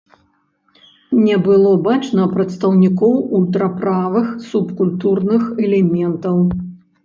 Не было бачна прадстаўнікоў ультраправых субкультурных элементаў.